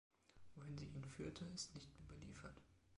Wohin sie ihn führte, ist nicht überliefert.